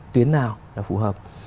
tuyến nào là phù hợp